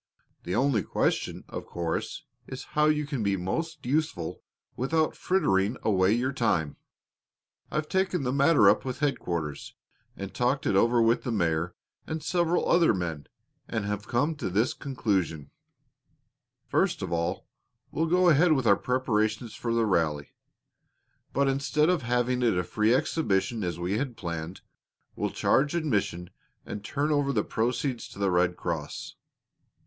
"The only question, of course, is how you can be most useful without frittering away your time. I've taken the matter up with headquarters, and talked it over with the mayor and several other men, and have come to this conclusion: first of all, we'll go ahead with our preparations for the rally, but instead of having it a free exhibition, as we planned, we'll charge admission and turn over the proceeds to the Red Cross.